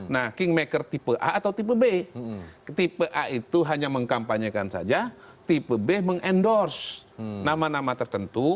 nah kingmaker tipe a atau tipe b tipe a itu hanya mengkampanyekan saja tipe b mengendorse nama nama tertentu